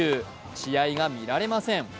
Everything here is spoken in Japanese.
試合が見られません。